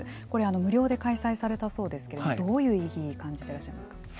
無料で開催されたそうですけどどういう意義を感じていらっしゃいますか。